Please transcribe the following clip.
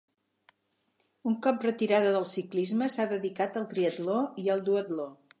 Un cop retirada del ciclisme, s'ha dedicat al triatló i al duatló.